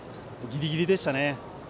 ギリギリでしたね。